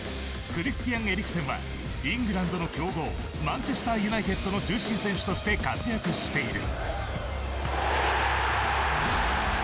クリスティアン・エリクセンはイングランドの強豪マンチェスターユナイテッドの中心選手として活躍している。